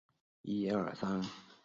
拉艾马莱尔布人口变化图示